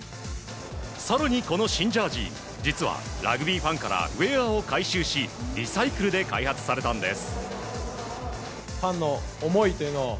更に、この新ジャージー実はラグビーファンからウェアを回収しリサイクルで開発されたんです。